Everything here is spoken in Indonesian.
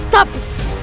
tapi